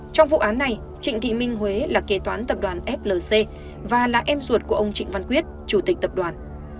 trong vụ án này trịnh thị minh huế là kế toán tập đoàn flc và là em ruột của ông trịnh văn quyết chủ tịch tập đoàn